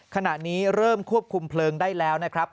ขณะนี้เริ่มควบคุมเพลิงได้แล้วนะครับ